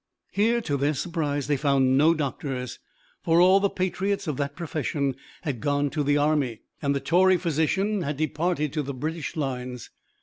Here, to their surprise, they found no doctors; for all the patriots of that profession had gone to the army, and the Tory physician had departed to the British lines.